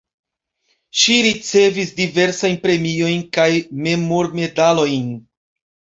Ŝi ricevis diversajn premiojn kaj memormedalojn.